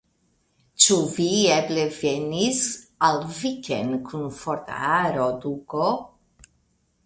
Ĉu vi eble venis al viken kun forta aro, duko?